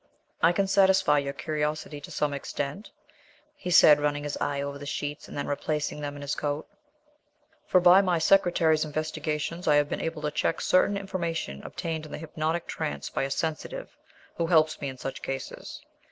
"I can satisfy your curiosity to some extent," he said, running his eye over the sheets, and then replacing them in his coat; "for by my secretary's investigations I have been able to check certain information obtained in the hypnotic trance by a 'sensitive' who helps me in such cases.